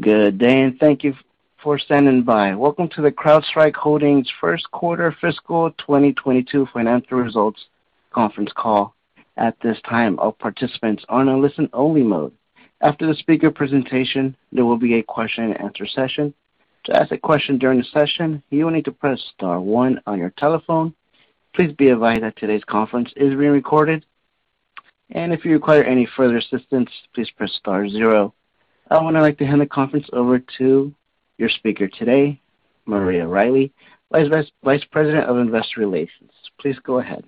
Good day, and thank you for standing by. Welcome to the CrowdStrike Holdings first quarter fiscal 2022 financial results conference call. At this time, all participants are in a listen only mode. After the speaker presentation, there will be a question-and-answer session. To ask a question during the session, you will need to press star one on your telephone. Please be advised that today's conference is being recorded, and if you require any further assistance, please press star zero. At this time, I'd like to hand the conference over to your speaker today, Maria Riley, Vice President of Investor Relations. Please go ahead.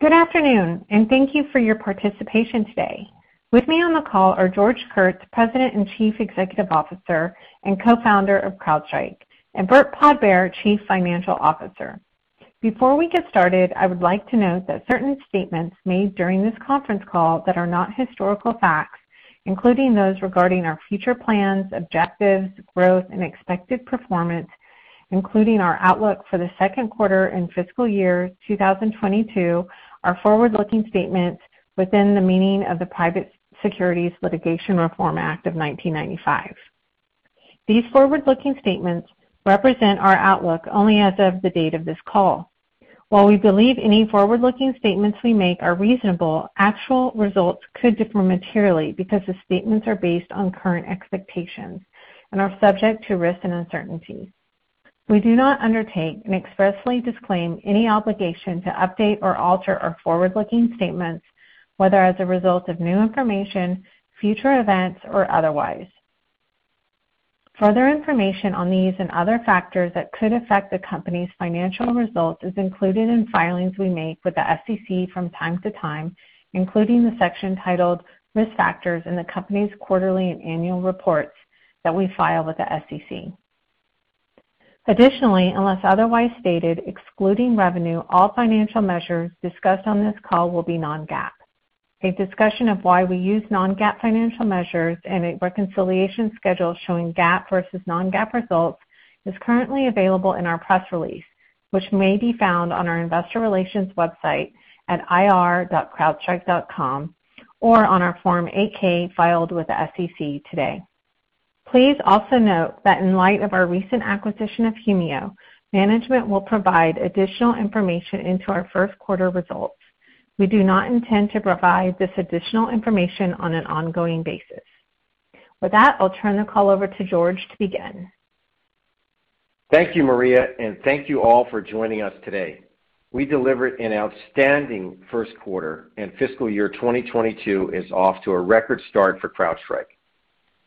Good afternoon, and thank you for your participation today. With me on the call are George Kurtz, President and Chief Executive Officer and Co-Founder of CrowdStrike, and Burt Podbere, Chief Financial Officer. Before we get started, I would like to note that certain statements made during this conference call that are not historical facts, including those regarding our future plans, objectives, growth, and expected performance, including our outlook for the second quarter and fiscal year 2022, are forward-looking statements within the meaning of the Private Securities Litigation Reform Act of 1995. These forward-looking statements represent our outlook only as of the date of this call. While we believe any forward-looking statements we make are reasonable, actual results could differ materially because the statements are based on current expectations and are subject to risks and uncertainties. We do not undertake and expressly disclaim any obligation to update or alter our forward-looking statements, whether as a result of new information, future events, or otherwise. Further information on these and other factors that could affect the company's financial results is included in filings we make with the SEC from time to time, including the section titled "Risk Factors" in the company's quarterly and annual reports that we file with the SEC. Unless otherwise stated, excluding revenue, all financial measures discussed on this call will be non-GAAP. A discussion of why we use non-GAAP financial measures and a reconciliation schedule showing GAAP versus non-GAAP results is currently available in our press release, which may be found on our investor relations website at ir.crowdstrike.com or on our Form 8-K filed with the SEC today. Please also note that in light of our recent acquisition of Humio, management will provide additional information into our first quarter results. We do not intend to provide this additional information on an ongoing basis. With that, I'll turn the call over to George to begin. Thank you, Maria, and thank you all for joining us today. We delivered an outstanding first quarter, and fiscal year 2022 is off to a record start for CrowdStrike.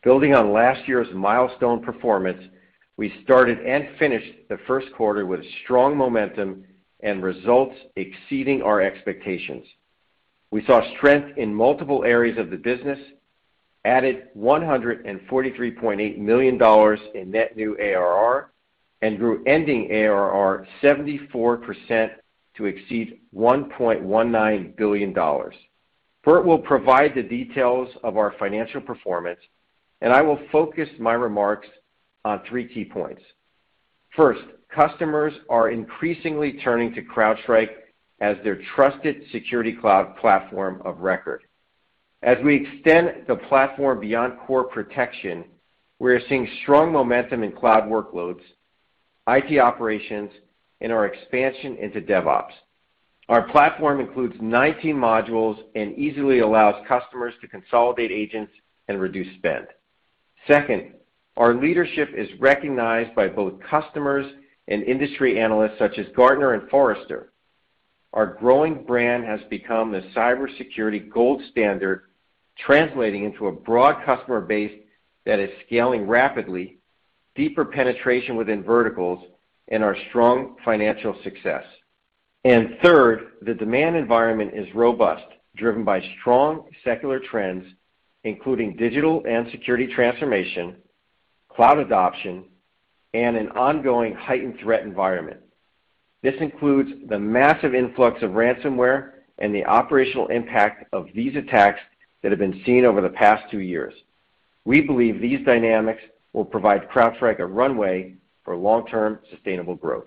Building on last year's milestone performance, we started and finished the first quarter with strong momentum and results exceeding our expectations. We saw strength in multiple areas of the business, added $143.8 million in net new ARR, and grew ending ARR 74% to exceed $1.19 billion. Burt will provide the details of our financial performance, and I will focus my remarks on three key points. First, customers are increasingly turning to CrowdStrike as their trusted security cloud platform of record. As we extend the platform beyond core protection, we are seeing strong momentum in cloud workloads, IT operations, and our expansion into DevOps. Our platform includes 19 modules and easily allows customers to consolidate agents and reduce spend. Second, our leadership is recognized by both customers and industry analysts such as Gartner and Forrester. Our growing brand has become the cybersecurity gold standard, translating into a broad customer base that is scaling rapidly, deeper penetration within verticals, and our strong financial success. Third, the demand environment is robust, driven by strong secular trends, including digital and security transformation, cloud adoption, and an ongoing heightened threat environment. This includes the massive influx of ransomware and the operational impact of these attacks that have been seen over the past two years. We believe these dynamics will provide CrowdStrike a runway for long-term sustainable growth.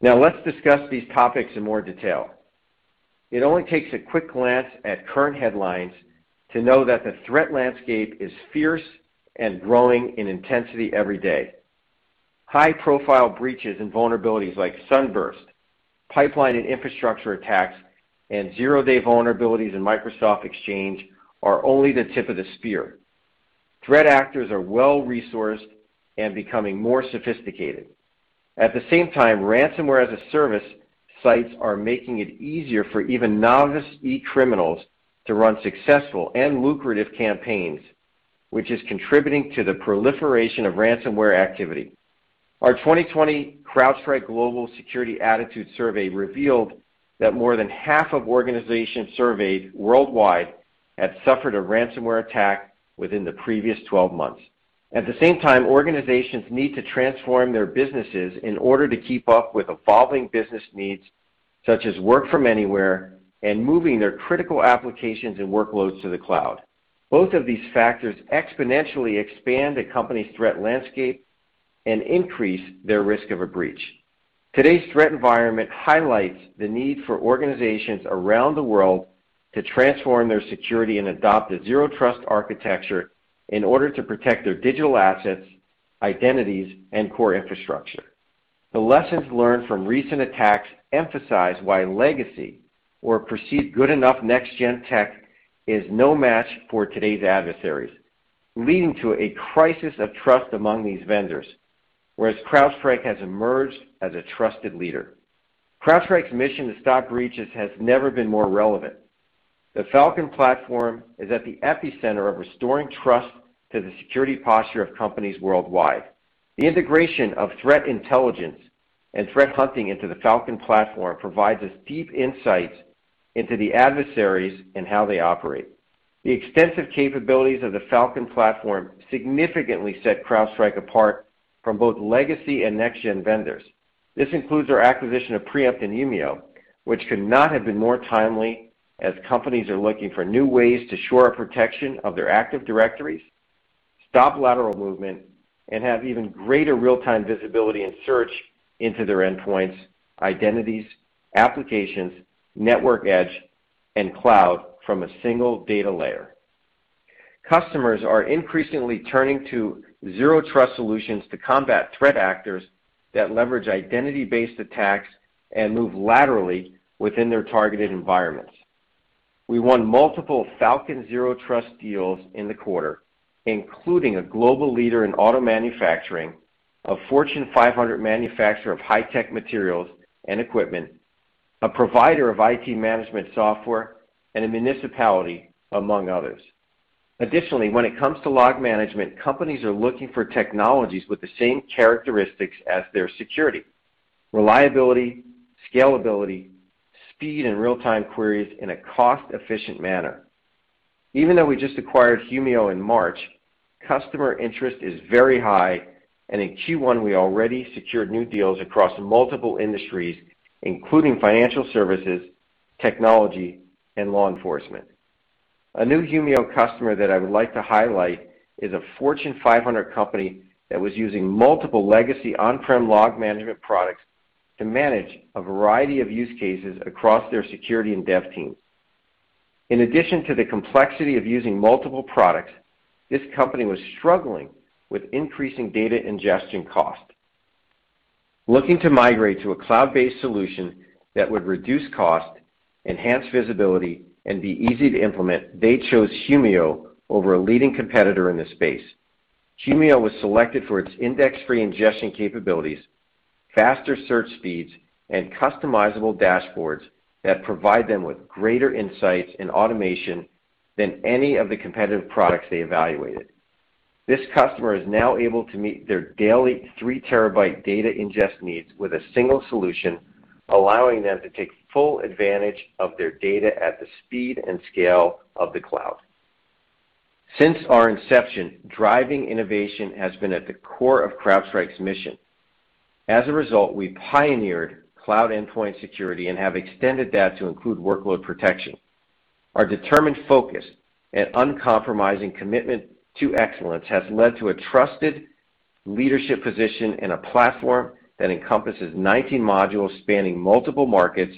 Let's discuss these topics in more detail. It only takes a quick glance at current headlines to know that the threat landscape is fierce and growing in intensity every day. High-profile breaches and vulnerabilities like SUNBURST, pipeline and infrastructure attacks, and zero-day vulnerabilities in Microsoft Exchange are only the tip of the spear. Threat actors are well-resourced and becoming more sophisticated. At the same time, ransomware-as-a-service sites are making it easier for even novice e-criminals to run successful and lucrative campaigns, which is contributing to the proliferation of ransomware activity. Our 2020 CrowdStrike Global Security Attitude Survey revealed that more than half of organizations surveyed worldwide had suffered a ransomware attack within the previous 12 months. At the same time, organizations need to transform their businesses in order to keep up with evolving business needs, such as work from anywhere and moving their critical applications and workloads to the cloud. Both of these factors exponentially expand a company's threat landscape and increase their risk of a breach. Today's threat environment highlights the need for organizations around the world to transform their security and adopt a Zero Trust architecture in order to protect their digital assets, identities, and core infrastructure. The lessons learned from recent attacks emphasize why legacy or perceived good enough next gen tech is no match for today's adversaries, leading to a crisis of trust among these vendors, whereas CrowdStrike has emerged as a trusted leader. CrowdStrike's mission to stop breaches has never been more relevant. The Falcon platform is at the epicenter of restoring trust to the security posture of companies worldwide. The integration of threat intelligence and threat hunting into the Falcon platform provides us deep insights into the adversaries and how they operate. The extensive capabilities of the Falcon platform significantly set CrowdStrike apart from both legacy and next gen vendors. This includes our acquisition of Preempt and Humio, which could not have been more timely as companies are looking for new ways to shore up protection of their active directories, stop lateral movement, and have even greater real-time visibility and search into their endpoints, identities, applications, network edge, and cloud from a single data layer. Customers are increasingly turning to Zero Trust solutions to combat threat actors that leverage identity-based attacks and move laterally within their targeted environments. We won multiple Falcon Zero Trust deals in the quarter, including a global leader in auto manufacturing, a Fortune 500 manufacturer of high-tech materials and equipment, a provider of IT management software, and a municipality, among others. Additionally, when it comes to log management, companies are looking for technologies with the same characteristics as their security, reliability, scalability, speed, and real-time queries in a cost-efficient manner. Even though we just acquired Humio in March, customer interest is very high, and in Q1, we already secured new deals across multiple industries, including financial services, technology, and law enforcement. A new Humio customer that I would like to highlight is a Fortune 500 company that was using multiple legacy on-prem log management products to manage a variety of use cases across their security and dev teams. In addition to the complexity of using multiple products, this company was struggling with increasing data ingestion cost. Looking to migrate to a cloud-based solution that would reduce cost, enhance visibility, and be easy to implement, they chose Humio over a leading competitor in this space. Humio was selected for its index-free ingestion capabilities, faster search speeds, and customizable dashboards that provide them with greater insights and automation than any of the competitive products they evaluated. This customer is now able to meet their daily 3 TB data ingest needs with a single solution, allowing them to take full advantage of their data at the speed and scale of the cloud. Since our inception, driving innovation has been at the core of CrowdStrike's mission. As a result, we pioneered cloud endpoint security and have extended that to include workload protection. Our determined focus and uncompromising commitment to excellence has led to a trusted leadership position in a platform that encompasses 19 modules spanning multiple markets,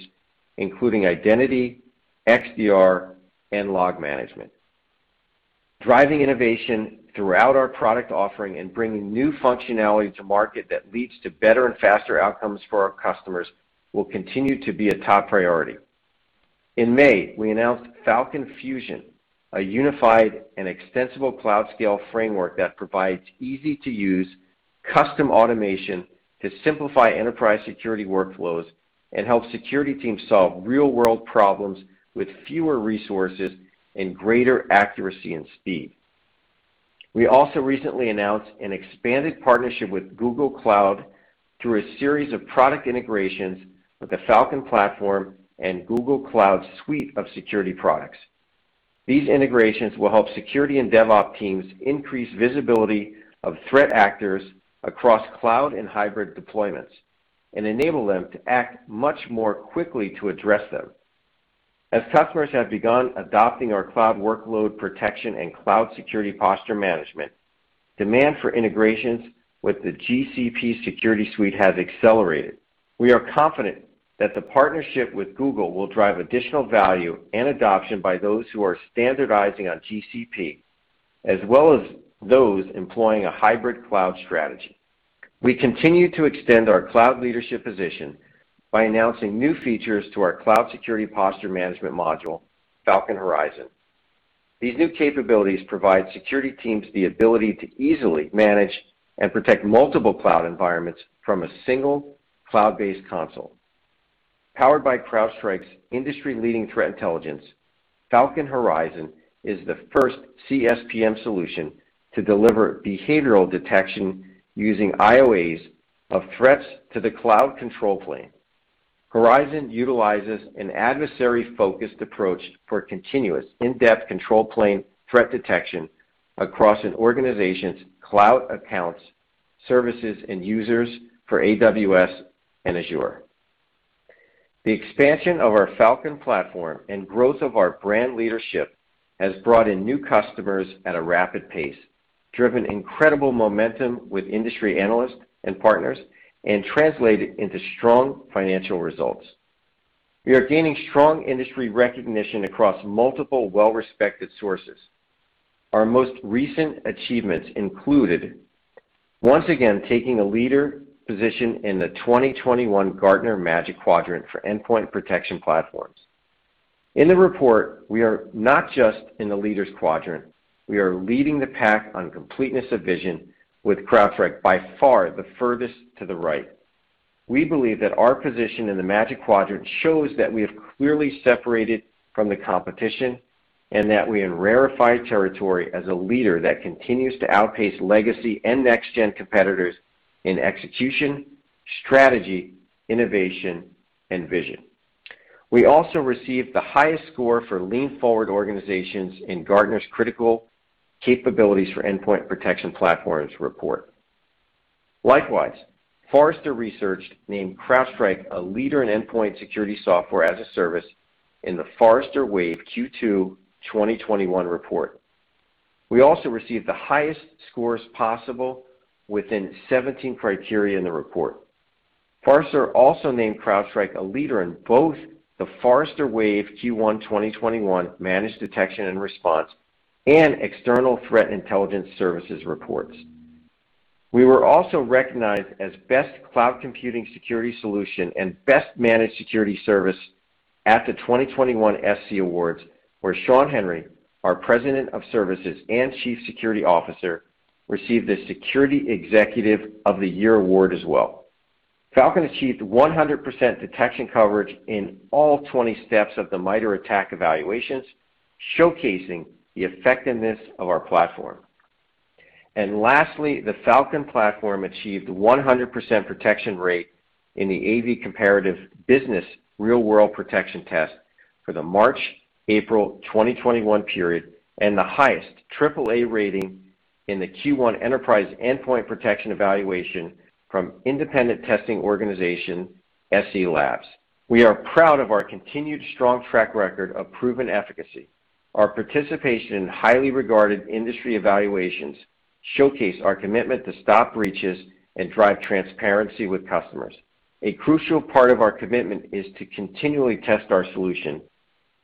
including identity, XDR, and log management. Driving innovation throughout our product offering and bringing new functionality to market that leads to better and faster outcomes for our customers will continue to be a top priority. In May, we announced Falcon Fusion, a unified and extensible cloud scale framework that provides easy-to-use custom automation to simplify enterprise security workflows and help security teams solve real-world problems with fewer resources and greater accuracy and speed. We also recently announced an expanded partnership with Google Cloud through a series of product integrations with the Falcon platform and Google Cloud Suite of security products. These integrations will help security and DevOps teams increase visibility of threat actors across cloud and hybrid deployments and enable them to act much more quickly to address them. As customers have begun adopting our cloud workload protection and Cloud Security Posture Management, demand for integrations with the GCP security suite has accelerated. We are confident that the partnership with Google will drive additional value and adoption by those who are standardizing on GCP, as well as those employing a hybrid cloud strategy. We continue to extend our cloud leadership position by announcing new features to our Cloud Security Posture Management module, Falcon Horizon. These new capabilities provide security teams the ability to easily manage and protect multiple cloud environments from a single cloud-based console. Powered by CrowdStrike's industry-leading threat intelligence, Falcon Horizon is the first CSPM solution to deliver behavioral detection using IOAs of threats to the cloud control plane. Horizon utilizes an adversary-focused approach for continuous in-depth control plane threat detection across an organization's cloud accounts, services, and users for AWS and Azure. The expansion of our Falcon platform and growth of our brand leadership has brought in new customers at a rapid pace, driven incredible momentum with industry analysts and partners, and translated into strong financial results. We are gaining strong industry recognition across multiple well-respected sources. Our most recent achievements included once again taking a leader position in the 2021 Gartner Magic Quadrant for Endpoint Protection Platforms. In the report, we are not just in the leader's quadrant, we are leading the pack on completeness of vision with CrowdStrike by far the furthest to the right. We believe that our position in the Magic Quadrant shows that we have clearly separated from the competition, and that we in rarefied territory as a leader that continues to outpace legacy and next gen competitors in execution, strategy, innovation, and vision. We also received the highest score for lean forward organizations in Gartner's critical capabilities for endpoint protection platforms report. Likewise, Forrester Research named CrowdStrike a leader in endpoint security software as a service in the Forrester Wave Q2 2021 report. We also received the highest scores possible within 17 criteria in the report. Forrester also named CrowdStrike a leader in both the Forrester Wave Q1 2021 Managed Detection and Response and External Threat Intelligence Services reports. We were also recognized as Best Cloud Computing Security Solution and Best Managed Security Service at the 2021 SC Awards, where Shawn Henry, our President of Services and Chief Security Officer, received the Security Executive of the Year award as well. Falcon achieved 100% detection coverage in all 20 steps of the MITRE ATT&CK evaluations, showcasing the effectiveness of our platform. Lastly, the Falcon platform achieved 100% protection rate in the AV Comparatives Business Real-World Protection Test for the March, April 2021 period, and the highest AAA rating in the Q1 Enterprise Endpoint Protection evaluation from independent testing organization, SE Labs. We are proud of our continued strong track record of proven efficacy. Our participation in highly regarded industry evaluations showcase our commitment to stop breaches and drive transparency with customers. A crucial part of our commitment is to continually test our solution,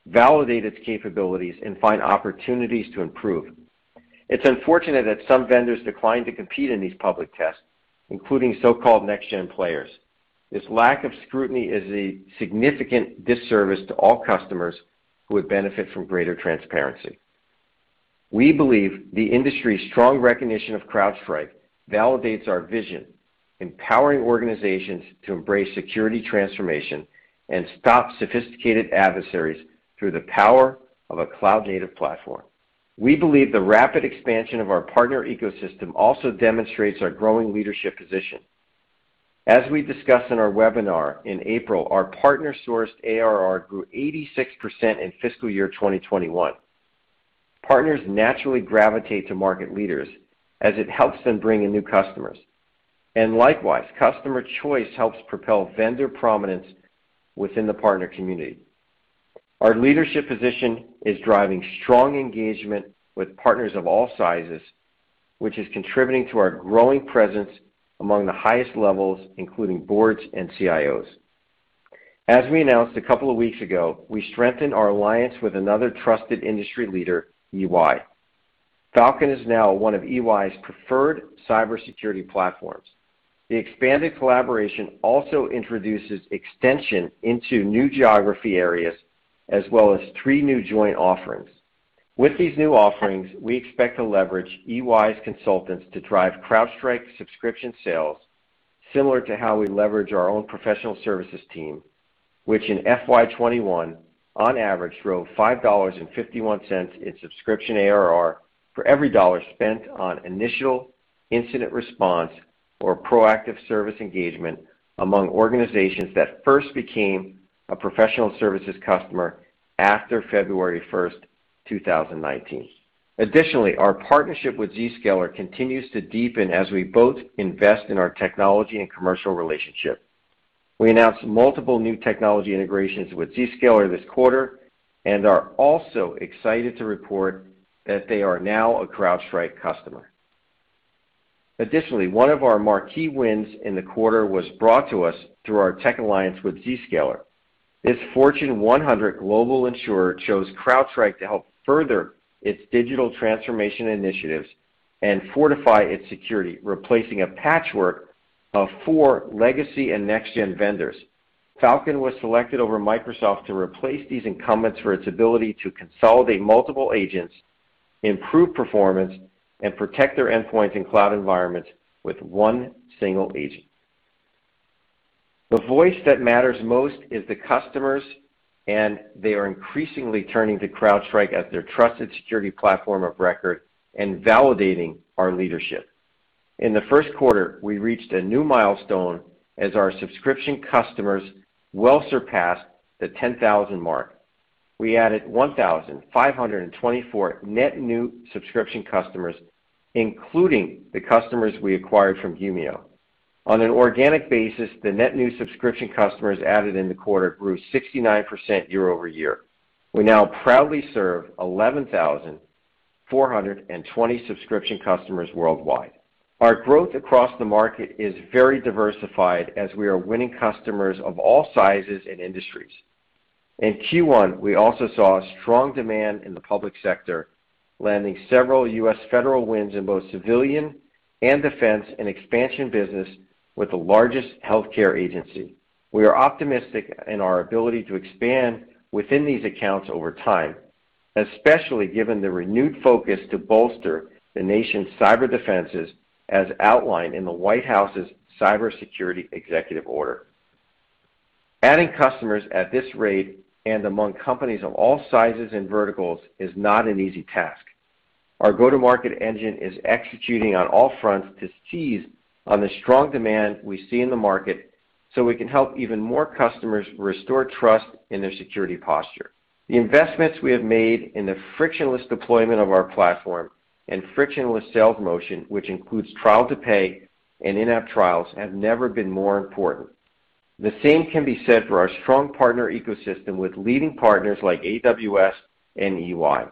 validate its capabilities, and find opportunities to improve. It's unfortunate that some vendors decline to compete in these public tests, including so-called next gen players. This lack of scrutiny is a significant disservice to all customers who would benefit from greater transparency. We believe the industry's strong recognition of CrowdStrike validates our vision, empowering organizations to embrace security transformation and stop sophisticated adversaries through the power of a cloud native platform. We believe the rapid expansion of our partner ecosystem also demonstrates our growing leadership position. As we discussed in our webinar in April, our partner sourced ARR grew 86% in fiscal year 2021. Partners naturally gravitate to market leaders as it helps them bring in new customers. Likewise, customer choice helps propel vendor prominence within the partner community. Our leadership position is driving strong engagement with partners of all sizes, which is contributing to our growing presence among the highest levels, including boards and CIOs. As we announced a couple of weeks ago, we strengthened our alliance with another trusted industry leader, EY. Falcon is now one of EY's preferred cybersecurity platforms. The expanded collaboration also introduces extension into new geography areas, as well as three new joint offerings. With these new offerings, we expect to leverage EY's consultants to drive CrowdStrike subscription sales similar to how we leverage our own professional services team, which in FY 2021 on average drove $5.51 in subscription ARR for every $1 spent on initial incident response or proactive service engagement among organizations that first became a professional services customer after February 1st, 2019. Additionally, our partnership with Zscaler continues to deepen as we both invest in our technology and commercial relationship. We announced multiple new technology integrations with Zscaler this quarter and are also excited to report that they are now a CrowdStrike customer. Additionally, one of our marquee wins in the quarter was brought to us through our tech alliance with Zscaler. This Fortune 100 global insurer chose CrowdStrike to help further its digital transformation initiatives and fortify its security, replacing a patchwork of four legacy and next gen vendors. Falcon was selected over Microsoft to replace these incumbents for its ability to consolidate multiple agents, improve performance, and protect their endpoints and cloud environments with one single agent. The voice that matters most is the customers, and they are increasingly turning to CrowdStrike as their trusted security platform of record and validating our leadership. In the first quarter, we reached a new milestone as our subscription customers well surpassed the 10,000 mark. We added 1,524 net new subscription customers, including the customers we acquired from Humio. On an organic basis, the net new subscription customers added in the quarter grew 69% year-over-year. We now proudly serve 11,420 subscription customers worldwide. Our growth across the market is very diversified as we are winning customers of all sizes and industries. In Q1, we also saw strong demand in the public sector, landing several U.S. federal wins in both civilian and defense and expansion business with the largest healthcare agency. We are optimistic in our ability to expand within these accounts over time, especially given the renewed focus to bolster the nation's cyber defenses as outlined in the White House's Cybersecurity Executive Order. Adding customers at this rate and among companies of all sizes and verticals is not an easy task. Our go-to-market engine is executing on all fronts to seize on the strong demand we see in the market so we can help even more customers restore trust in their security posture. The investments we have made in the frictionless deployment of our platform and frictionless sales motion, which includes trial to pay and in-app trials, have never been more important. The same can be said for our strong partner ecosystem with leading partners like AWS and EY.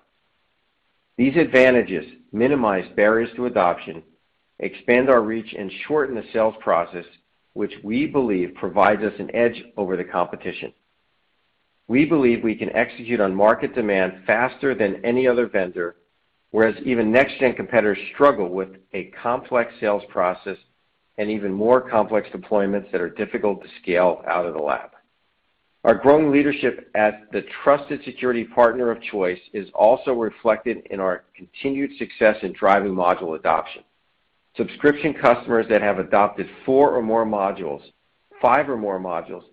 These advantages minimize barriers to adoption, expand our reach, and shorten the sales process, which we believe provides us an edge over the competition. We believe we can execute on market demand faster than any other vendor, whereas even next-gen competitors struggle with a complex sales process and even more complex deployments that are difficult to scale out of the lab. Our growing leadership as the trusted security partner of choice is also reflected in our continued success in driving module adoption. Subscription customers that have adopted four or more modules, five or more modules,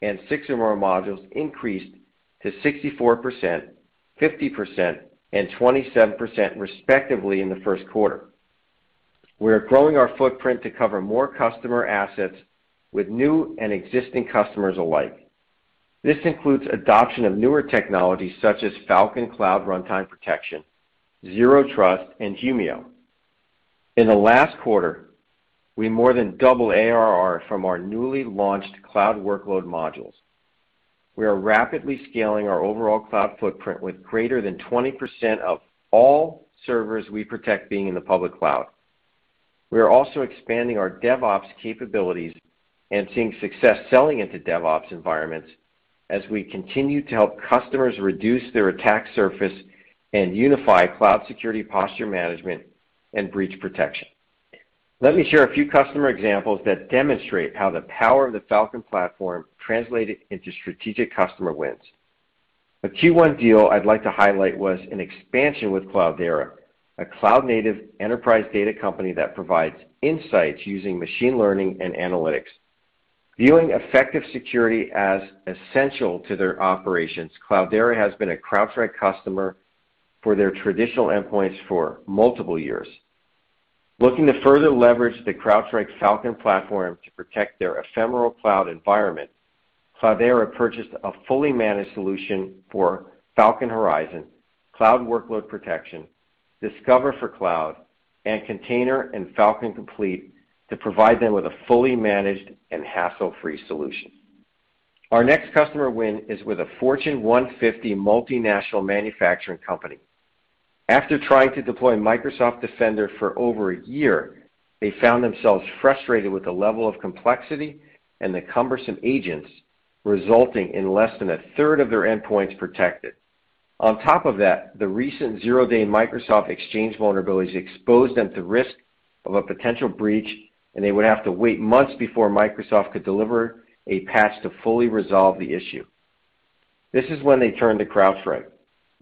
and six or more modules increased to 64%, 50%, and 27%, respectively, in the first quarter. We are growing our footprint to cover more customer assets with new and existing customers alike. This includes adoption of newer technologies such as Falcon Cloud Runtime Protection, Zero Trust, and Humio. In the last quarter, we more than doubled ARR from our newly launched cloud workload modules. We are rapidly scaling our overall cloud footprint with greater than 20% of all servers we protect being in the public cloud. We are also expanding our DevOps capabilities and seeing success selling into DevOps environments as we continue to help customers reduce their attack surface and unify Cloud Security Posture Management and breach protection. Let me share a few customer examples that demonstrate how the power of the Falcon platform translated into strategic customer wins. A Q1 deal I'd like to highlight was an expansion with Cloudera, a cloud-native enterprise data company that provides insights using machine learning and analytics. Viewing effective security as essential to their operations, Cloudera has been a CrowdStrike customer for their traditional endpoints for multiple years. Looking to further leverage the CrowdStrike Falcon platform to protect their ephemeral cloud environment, Cloudera purchased a fully managed solution for Falcon Horizon, Cloud Workload Protection, Discover for Cloud and Containers and Falcon Complete to provide them with a fully managed and hassle-free solution. Our next customer win is with a Fortune 150 multinational manufacturing company. After trying to deploy Microsoft Defender for over a year, they found themselves frustrated with the level of complexity and the cumbersome agents, resulting in less than a third of their endpoints protected. On top of that, the recent zero-day Microsoft Exchange vulnerabilities exposed them to risk of a potential breach. They would have to wait months before Microsoft could deliver a patch to fully resolve the issue. This is when they turned to CrowdStrike.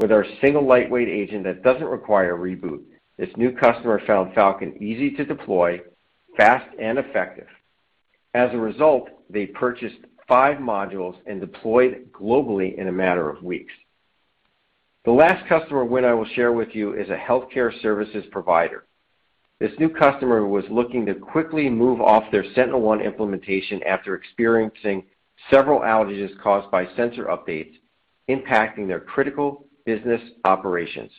With our single lightweight agent that doesn't require a reboot, this new customer found Falcon easy to deploy, fast, and effective. As a result, they purchased five modules and deployed globally in a matter of weeks. The last customer win I will share with you is a healthcare services provider. This new customer was looking to quickly move off their SentinelOne implementation after experiencing several outages caused by sensor updates impacting their critical business operations.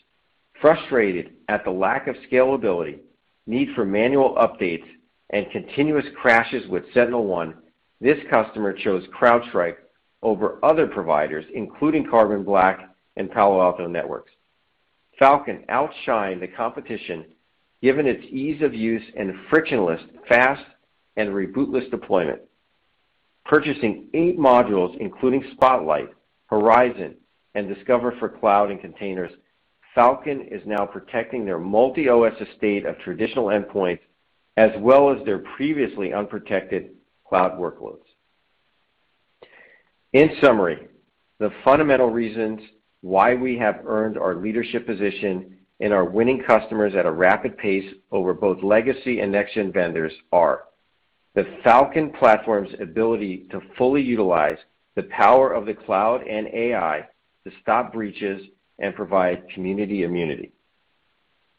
Frustrated at the lack of scalability, need for manual updates, and continuous crashes with SentinelOne, this customer chose CrowdStrike over other providers, including Carbon Black and Palo Alto Networks. Falcon outshined the competition given its ease of use and frictionless, fast, and rebootless deployment. Purchasing eight modules, including Spotlight, Horizon, and Discover for Cloud and Containers, Falcon is now protecting their multi-OS estate of traditional endpoints, as well as their previously unprotected cloud workloads. In summary, the fundamental reasons why we have earned our leadership position and are winning customers at a rapid pace over both legacy and next-gen vendors are the Falcon platform's ability to fully utilize the power of the cloud and AI to stop breaches and provide community immunity.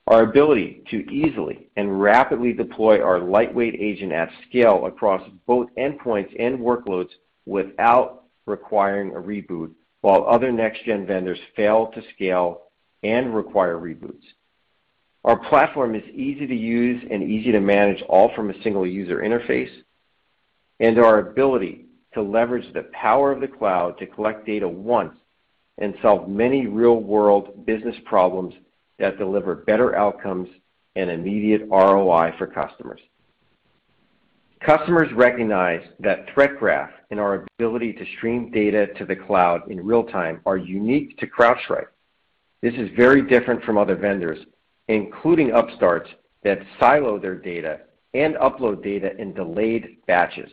Our ability to easily and rapidly deploy our lightweight agent at scale across both endpoints and workloads without requiring a reboot, while other next-gen vendors fail to scale and require reboots. Our platform is easy to use and easy to manage all from a single user interface, and our ability to leverage the power of the cloud to collect data once and solve many real-world business problems that deliver better outcomes and immediate ROI for customers. Customers recognize that Threat Graph and our ability to stream data to the cloud in real time are unique to CrowdStrike. This is very different from other vendors, including upstarts that silo their data and upload data in delayed batches.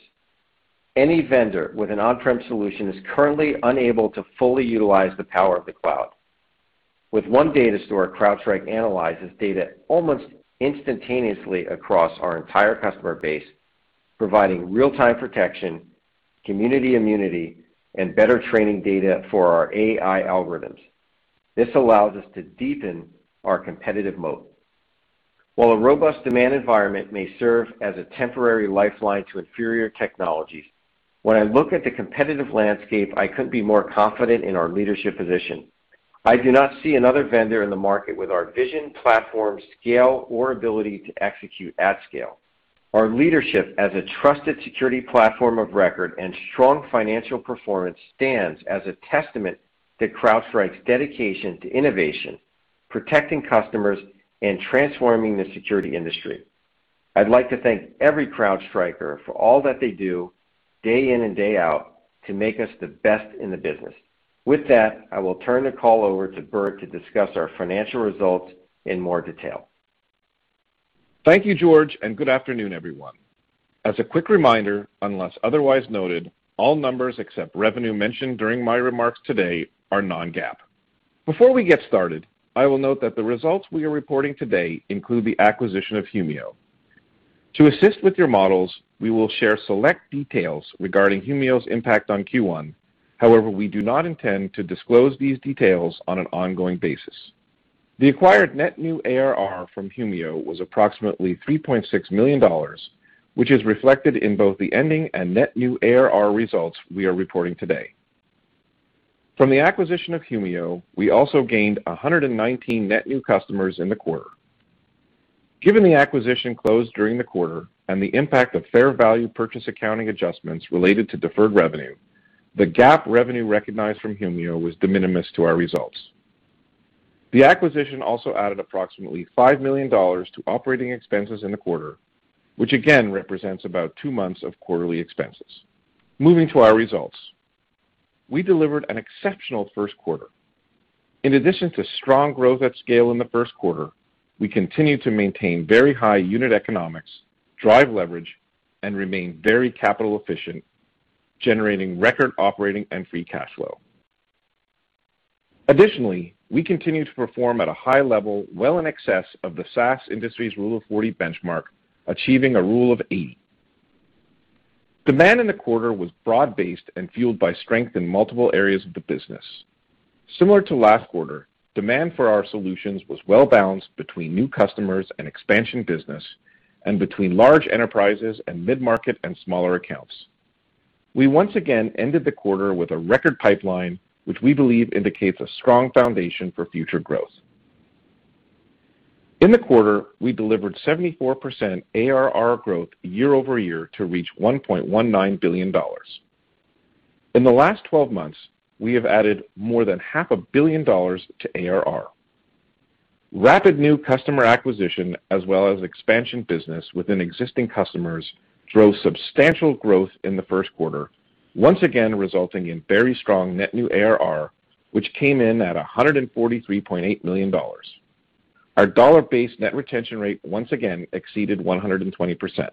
Any vendor with an on-prem solution is currently unable to fully utilize the power of the cloud. With one data store, CrowdStrike analyzes data almost instantaneously across our entire customer base, providing real time protection, community immunity, and better training data for our AI algorithms. This allows us to deepen our competitive moat. While a robust demand environment may serve as a temporary lifeline to inferior technologies, when I look at the competitive landscape, I couldn't be more confident in our leadership position. I do not see another vendor in the market with our vision, platform, scale, or ability to execute at scale. Our leadership as a trusted security platform of record and strong financial performance stands as a testament to CrowdStrike's dedication to innovation, protecting customers, and transforming the security industry. I'd like to thank every CrowdStriker for all that they do day in and day out to make us the best in the business. With that, I will turn the call over to Burt to discuss our financial results in more detail. Thank you, George. Good afternoon, everyone. As a quick reminder, unless otherwise noted, all numbers except revenue mentioned during my remarks today are non-GAAP. Before we get started, I will note that the results we are reporting today include the acquisition of Humio. To assist with your models, we will share select details regarding Humio's impact on Q1. We do not intend to disclose these details on an ongoing basis. The acquired net new ARR from Humio was approximately $3.6 million, which is reflected in both the ending and net new ARR results we are reporting today. From the acquisition of Humio, we also gained 119 net new customers in the quarter. Given the acquisition closed during the quarter and the impact of fair value purchase accounting adjustments related to deferred revenue, the GAAP revenue recognized from Humio was de minimis to our results. The acquisition also added approximately $5 million to operating expenses in the quarter, which again represents about two months of quarterly expenses. Moving to our results. We delivered an exceptional first quarter. In addition to strong growth at scale in the first quarter, we continued to maintain very high unit economics, drive leverage, and remain very capital efficient, generating record operating and free cash flow. Additionally, we continued to perform at a high level, well in excess of the SaaS industry's Rule of 40 benchmark, achieving a Rule of 80. Demand in the quarter was broad-based and fueled by strength in multiple areas of the business. Similar to last quarter, demand for our solutions was well-balanced between new customers and expansion business, and between large enterprises and mid-market and smaller accounts. We once again ended the quarter with a record pipeline, which we believe indicates a strong foundation for future growth. In the quarter, we delivered 74% ARR growth year-over-year to reach $1.19 billion. In the last 12 months, we have added more than half a billion dollars to ARR. Rapid new customer acquisition as well as expansion business within existing customers drove substantial growth in the first quarter, once again resulting in very strong net new ARR, which came in at $143.8 million. Our dollar-based net retention rate once again exceeded 120%.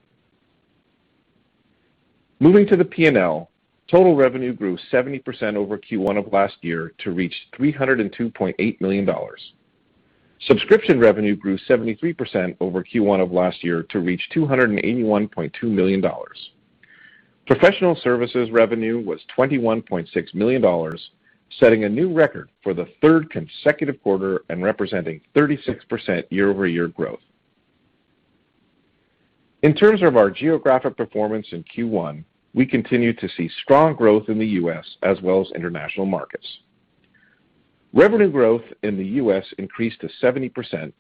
Moving to the P&L, total revenue grew 70% over Q1 of last year to reach $302.8 million. Subscription revenue grew 73% over Q1 of last year to reach $281.2 million. Professional services revenue was $21.6 million, setting a new record for the third consecutive quarter and representing 36% year-over-year growth. In terms of our geographic performance in Q1, we continued to see strong growth in the U.S. as well as international markets. Revenue growth in the U.S. increased to 70%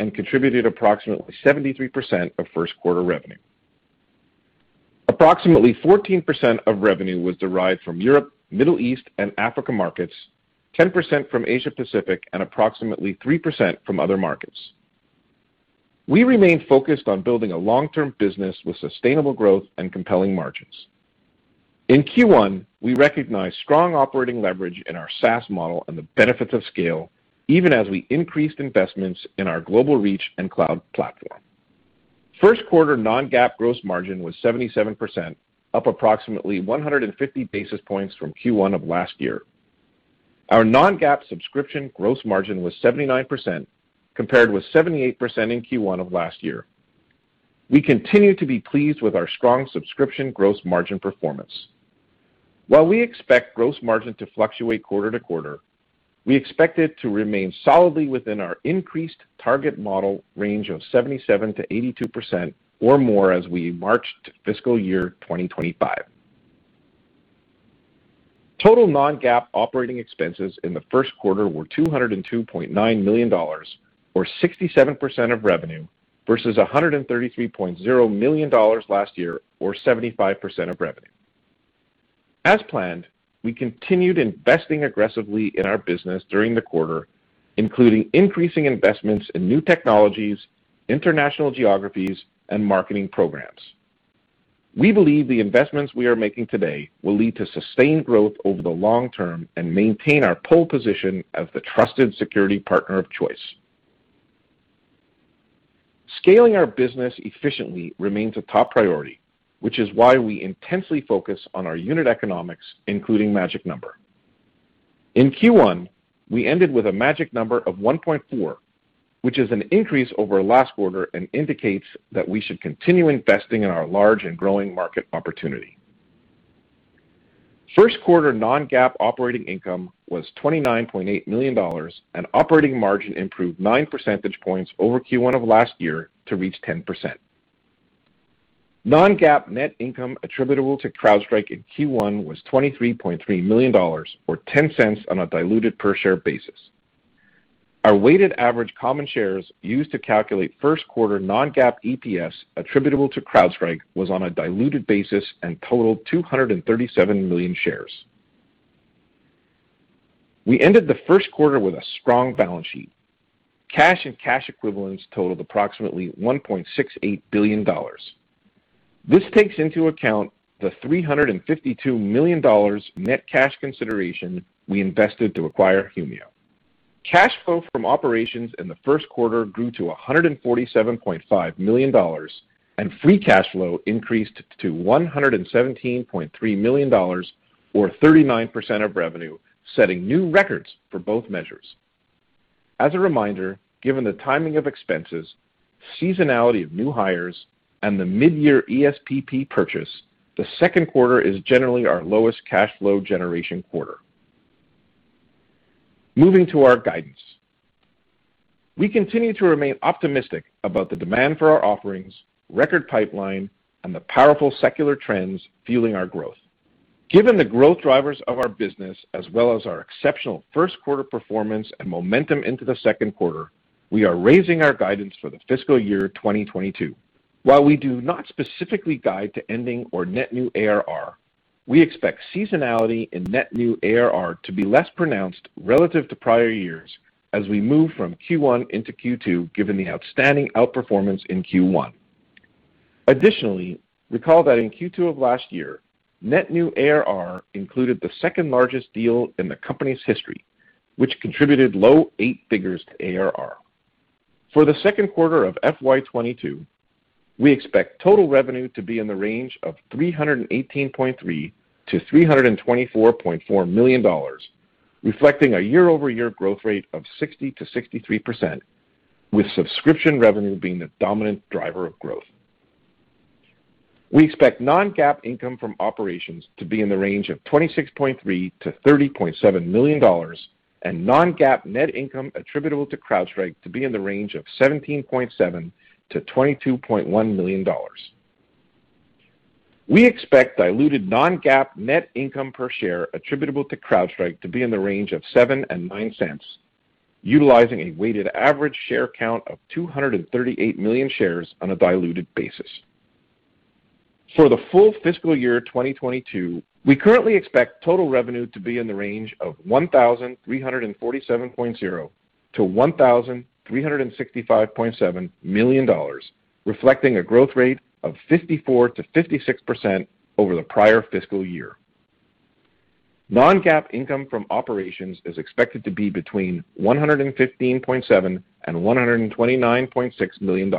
and contributed approximately 73% of first quarter revenue. Approximately 14% of revenue was derived from Europe, Middle East, and Africa markets, 10% from Asia Pacific, and approximately 3% from other markets. We remain focused on building a long-term business with sustainable growth and compelling margins. In Q1, we recognized strong operating leverage in our SaaS model and the benefits of scale, even as we increased investments in our global reach and cloud platform. First quarter non-GAAP gross margin was 77%, up approximately 150 basis points from Q1 of last year. Our non-GAAP subscription gross margin was 79%, compared with 78% in Q1 of last year. We continue to be pleased with our strong subscription gross margin performance. While we expect gross margin to fluctuate quarter-to-quarter, we expect it to remain solidly within our increased target model range of 77%-82% or more as we march to fiscal year 2025. Total non-GAAP operating expenses in the first quarter were $202.9 million, or 67% of revenue, versus $133.0 million last year, or 75% of revenue. As planned, we continued investing aggressively in our business during the quarter, including increasing investments in new technologies, international geographies, and marketing programs. We believe the investments we are making today will lead to sustained growth over the long term and maintain our pole position as the trusted security partner of choice. Scaling our business efficiently remains a top priority, which is why we intensely focus on our unit economics, including magic number. In Q1, we ended with a magic number of 1.4, which is an increase over last quarter and indicates that we should continue investing in our large and growing market opportunity. First quarter non-GAAP operating income was $29.8 million and operating margin improved nine percentage points over Q1 of last year to reach 10%. Non-GAAP net income attributable to CrowdStrike in Q1 was $23.3 million or $0.10 on a diluted per share basis. Our weighted average common shares used to calculate first quarter non-GAAP EPS attributable to CrowdStrike was on a diluted basis and totaled 237 million shares. We ended the first quarter with a strong balance sheet. Cash and cash equivalents totaled approximately $1.68 billion. This takes into account the $352 million net cash consideration we invested to acquire Humio. Cash flow from operations in the first quarter grew to $147.5 million, and free cash flow increased to $117.3 million, or 39% of revenue, setting new records for both measures. As a reminder, given the timing of expenses, seasonality of new hires, and the mid-year ESPP purchase, the second quarter is generally our lowest cash flow generation quarter. Moving to our guidance. We continue to remain optimistic about the demand for our offerings, record pipeline, and the powerful secular trends fueling our growth. Given the growth drivers of our business, as well as our exceptional first quarter performance and momentum into the second quarter, we are raising our guidance for the fiscal year 2022. While we do not specifically guide to ending or net new ARR, we expect seasonality in net new ARR to be less pronounced relative to prior years as we move from Q1 into Q2, given the outstanding outperformance in Q1. Additionally, recall that in Q2 of last year, net new ARR included the second largest deal in the company's history, which contributed low eight figures to ARR. For the second quarter of FY 2022, we expect total revenue to be in the range of $318.3 million-$324.4 million, reflecting a year-over-year growth rate of 60%-63%, with subscription revenue being the dominant driver of growth. We expect non-GAAP income from operations to be in the range of $26.3 million-$30.7 million and non-GAAP net income attributable to CrowdStrike to be in the range of $17.7 million-$22.1 million. We expect diluted non-GAAP net income per share attributable to CrowdStrike to be in the range of $0.07-$0.09, utilizing a weighted average share count of 238 million shares on a diluted basis. For the full fiscal year 2022, we currently expect total revenue to be in the range of $1,347.0 million-$1,365.7 million, reflecting a growth rate of 54%-56% over the prior fiscal year. Non-GAAP income from operations is expected to be between $115.7 million and $129.6 million.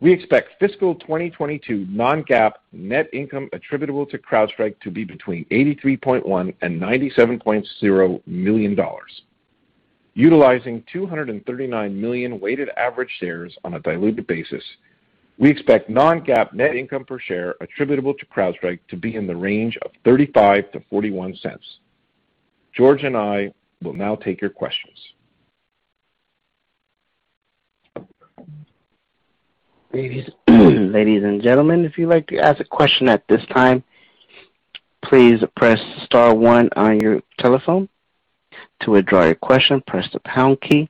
We expect fiscal 2022 non-GAAP net income attributable to CrowdStrike to be between $83.1 million and $97.0 million. Utilizing 239 million weighted average shares on a diluted basis, we expect non-GAAP net income per share attributable to CrowdStrike to be in the range of $0.35-$0.41. George and I will now take your questions. Ladies and gentlemen, if you like to ask a question at this time, please press star one on your telephone. To withdraw your question, press pound key.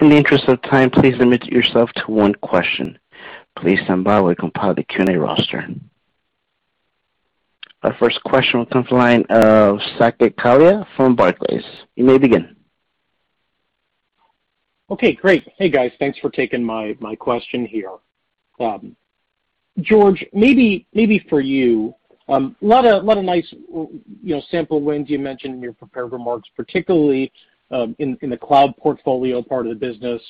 In the interest of time please limit yourself to one question. Please standby as we compile the Q&A roster. Our first question will come from the line of Saket Kalia from Barclays. You may begin. Okay, great. Hey, guys. Thanks for taking my question here. George, maybe for you. A lot of nice sample wins you mentioned in your prepared remarks, particularly in the cloud portfolio part of the business.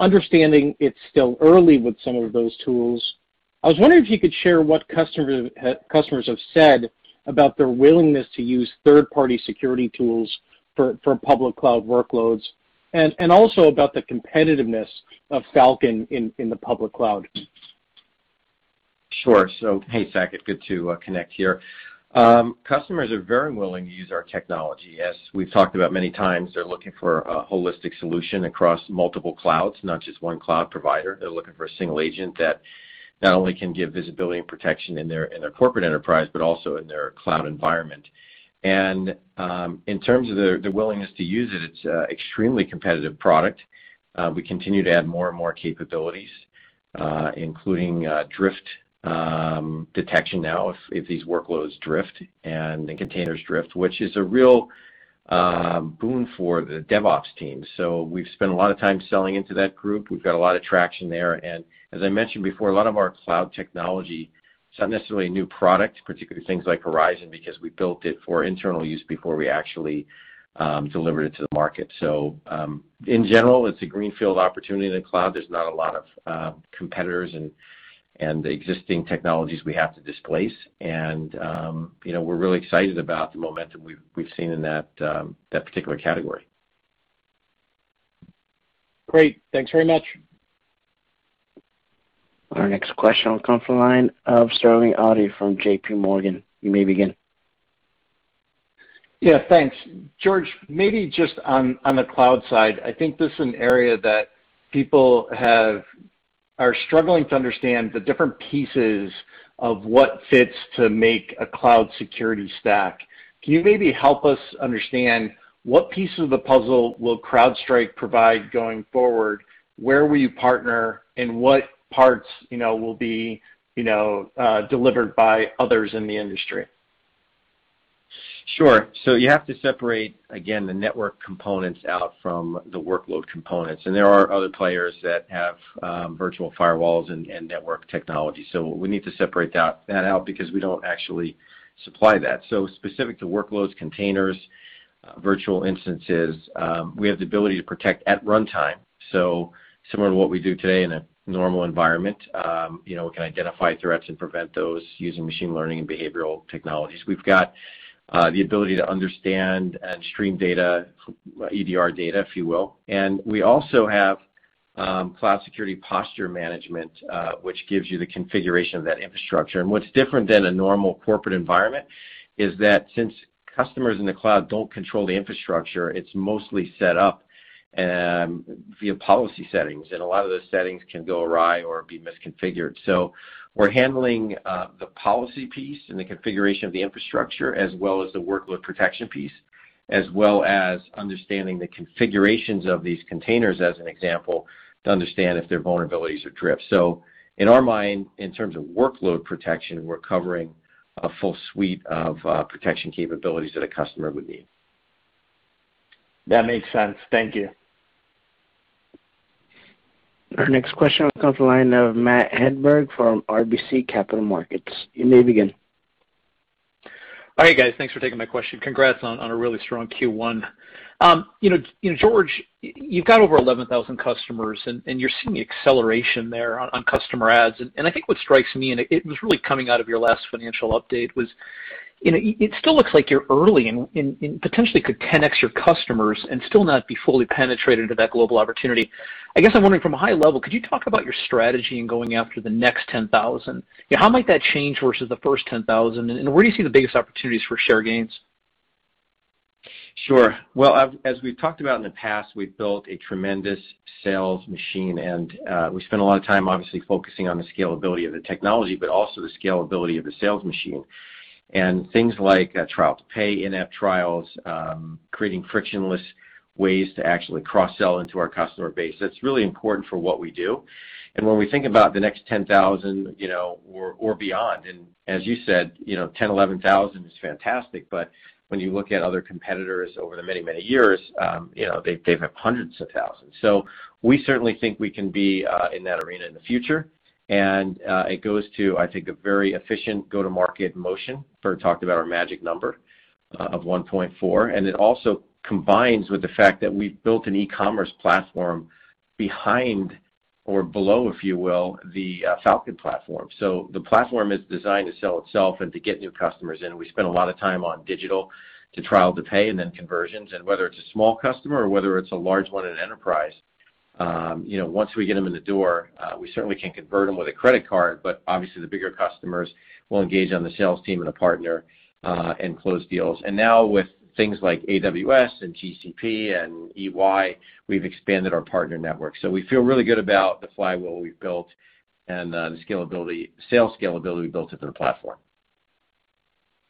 Understanding it's still early with some of those tools, I was wondering if you could share what customers have said about their willingness to use third-party security tools for public cloud workloads? Also about the competitiveness of Falcon in the public cloud? Sure. Hey, Saket, good to connect here. Customers are very willing to use our technology. As we've talked about many times, they're looking for a holistic solution across multiple clouds, not just one cloud provider. They're looking for a single agent that not only can give visibility and protection in their corporate enterprise, but also in their cloud environment. In terms of their willingness to use it's an extremely competitive product. We continue to add more and more capabilities, including drift detection now, if these workloads drift and the containers drift, which is a real boon for the DevOps team. We've spent a lot of time selling into that group. We've got a lot of traction there. As I mentioned before, a lot of our cloud technology, it's not necessarily a new product, particularly things like Horizon, because we built it for internal use before we actually delivered it to the market. In general, it's a greenfield opportunity in the cloud. There's not a lot of competitors and the existing technologies we have to displace. We're really excited about the momentum we've seen in that particular category. Great. Thanks very much. Our next question will come from the line of Sterling Auty from JPMorgan. You may begin. Yeah, thanks. George, maybe just on the cloud side, I think this is an area that people are struggling to understand the different pieces of what fits to make a cloud security stack. Can you maybe help us understand what piece of the puzzle will CrowdStrike provide going forward? Where will you partner, and what parts will be delivered by others in the industry? Sure. You have to separate, again, the network components out from the workload components. There are other players that have virtual firewalls and network technology. What we need to separate that out because we don't actually supply that. Specific to workloads, containers, virtual instances, we have the ability to protect at runtime. Similar to what we do today in a normal environment, we can identify threats and prevent those using machine learning and behavioral technologies. We've got the ability to understand and stream data, EDR data, if you will. We also have Cloud Security Posture Management, which gives you the configuration of that infrastructure. What's different than a normal corporate environment is that since customers in the cloud don't control the infrastructure, it's mostly set up via policy settings. A lot of those settings can go awry or be misconfigured. We're handling the policy piece and the configuration of the infrastructure as well as the workload protection piece, as well as understanding the configurations of these containers, as an example, to understand if their vulnerabilities are drift. In our mind, in terms of workload protection, we're covering a full suite of protection capabilities that a customer would need. That makes sense. Thank you. Our next question comes the line of Matt Hedberg from RBC Capital Markets. You may begin. Hi, guys. Thanks for taking my question. Congrats on a really strong Q1. George, you've got over 11,000 customers. You're seeing acceleration there on customer adds. I think what strikes me, it was really coming out of your last financial update, was it still looks like you're early and potentially could 10x your customers and still not be fully penetrated to that global opportunity. I guess I'm wondering from a high level, could you talk about your strategy in going after the next 10,000? How might that change versus the first 10,000? Where do you see the biggest opportunities for share gains? Sure. Well, as we've talked about in the past, we've built a tremendous sales machine. We spend a lot of time obviously focusing on the scalability of the technology, but also the scalability of the sales machine. Things like trial to pay and app trials, creating frictionless ways to actually cross-sell into our customer base. That's really important for what we do. When we think about the next 10,000 or beyond, as you said, 10, 11 thousand is fantastic, but when you look at other competitors over many, many years, they've had hundreds of thousands. We certainly think we can be in that arena in the future. It goes to, I think, a very efficient go-to-market motion for talking about our magic number of 1.4. It also combines with the fact that we've built an e-commerce platform behind or below, if you will, the Falcon platform. The platform is designed to sell itself and to get new customers in. We spend a lot of time on digital to trial to pay and then conversions. Whether it's a small customer or whether it's a large one in enterprise, once we get them in the door, we certainly can convert them with a credit card, but obviously the bigger customers will engage on the sales team and a partner, and close deals. Now with things like AWS and GCP and EY, we've expanded our partner network. We feel really good about the flywheel we've built and the sales scalability we built into the platform.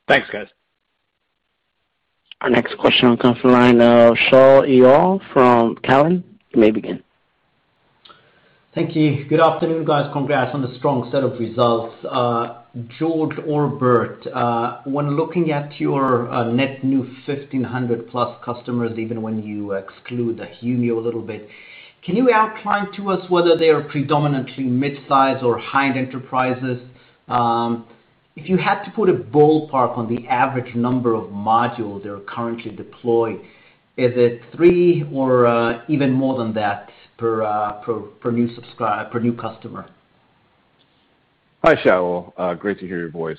Thanks, guys. Our next question comes from the line of Shaul Eyal from Cowen. You may begin. Thank you. Good afternoon, guys. Congrats on the strong set of results. George or Burt, when looking at your net new 1,500+ customers, even when you exclude the Humio a little bit, can you outline to us whether they are predominantly midsize or high-end enterprises? If you had to put a ballpark on the average number of modules they're currently deploying, is it three or even more than that per new customer? Hi, Shaul. Great to hear your voice.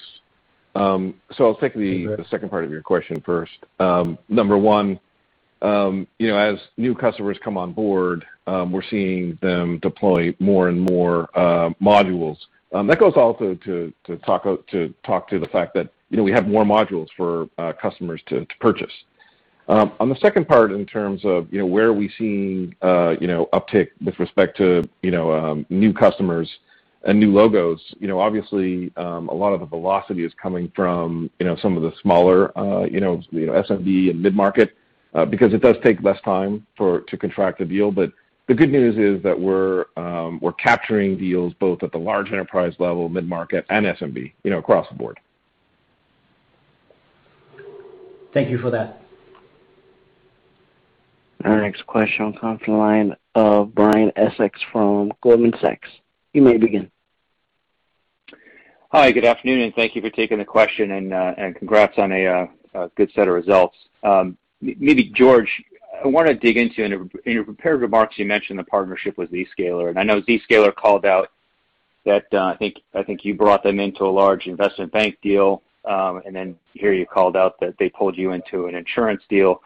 I'll take the second part of your question first. Number one, as new customers come on board, we're seeing them deploy more and more modules. That goes also to talk to the fact that we have more modules for customers to purchase. On the second part, in terms of where are we seeing uptick with respect to new customers and new logos, obviously, a lot of the velocity is coming from some of the smaller SMB and mid-market, because it does take less time to contract a deal. The good news is that we're capturing deals both at the large enterprise level, mid-market, and SMB across the board. Thank you for that. Our next question will come from the line of Brian Essex from Goldman Sachs. You may begin. Hi, good afternoon. Thank you for taking the question. Congrats on a good set of results. Maybe George, I want to dig into, in your prepared remarks, you mentioned the partnership with Zscaler. I know Zscaler called out that I think you brought them into a large investment bank deal. Here you called out that they pulled you into an insurance deal.